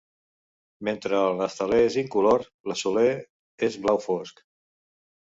Mentre el naftalè és incolor, l'azulè és blau fosc.